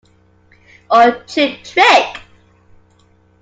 Or Cheap Trick.